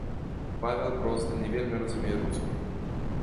Павел проста не вельмі разумее рускую.